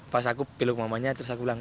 pas aku pilih mamanya terus aku bilang